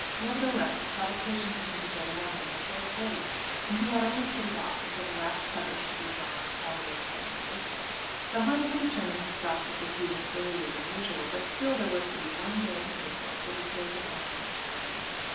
Nevertheless the provocation to him to go to London was very great, and he had only put it off till the last coverts should be drawn on Saturday the 2nd of April. The hunt had determined to stop their proceedings earlier than usual; but still there was to be one day in April, for the sake of honour and glory.